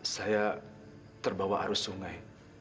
saya terbawa arus sungai